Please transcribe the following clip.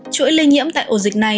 chuỗi lây nhiễm tại ổ dịch này